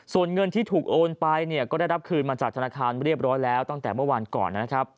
ส่วนเงินที่ถูกโอนไปเนี่ยก็ได้รับคืนมาจากธนาคารเรียบร้อยแล้วตั้งแต่เมื่อวานก่อนนะครับ